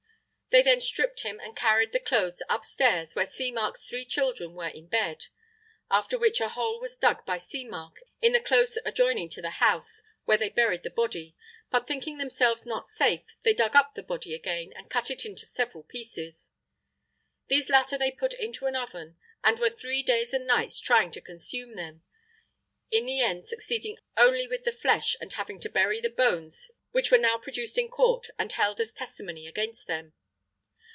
They then stripped him and carried the clothes upstairs where Seamark's three children were in bed; after which a hole was dug by Seamark in the close adjoining to the house where they buried the body; but thinking themselves not safe, they dug up the body again and cut it into several pieces. These latter they put into an oven and were three days and nights trying to consume them; in the end succeeding only with the flesh and having to bury the bones which were now produced in court and held as testimony against them.